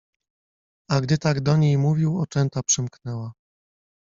A gdy tak do niej mówił oczęta przymknęła